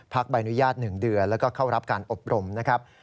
ใบอนุญาต๑เดือนแล้วก็เข้ารับการอบรมนะครับ